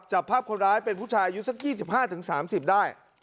จับภาพคนร้ายเป็นผู้ชายอายุสักยี่สิบห้าถึงสามสิบได้